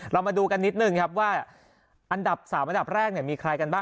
เรามาดูกันนิดนึงครับว่าอันดับ๓อันดับแรกเนี่ยมีใครกันบ้าง